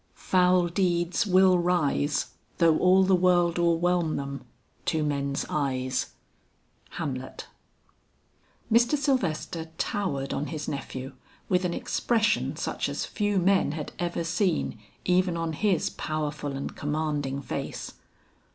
"Foul deeds will rise, Though all the world o'erwhelm them, to men's eyes." HAMLET. Mr. Sylvester towered on his nephew with an expression such as few men had ever seen even on his powerful and commanding face.